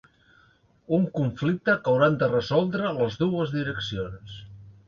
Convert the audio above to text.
Un conflicte que hauran de resoldre les dues direccions.